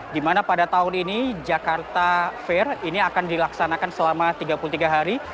di mana pada tahun ini jakarta fair ini akan dilaksanakan selama tiga puluh tiga hari